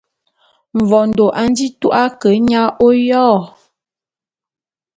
Mvondô a nji tu’a ke nya oyô.